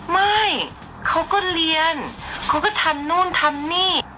ไม่เขาก็เรียนเขาก็ทำนู่นทำนี่